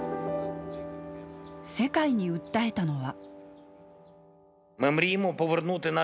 世界に訴えたのは。